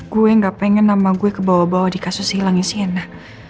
gue enggak pengen nama gue kebawa bawa di kasus hilangnya sienna